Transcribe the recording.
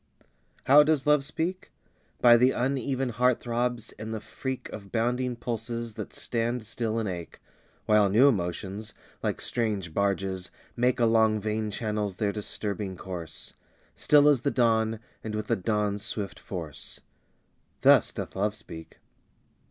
How does Love speak? By the uneven heart throbs, and the freak Of bounding pulses that stand still and ache, While new emotions, like strange barges, make Along vein channels their disturbing course; Still as the dawn, and with the dawn's swift force Thus doth Love speak.